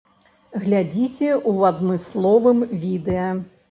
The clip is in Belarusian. Глядзіце ў адмысловым відэа.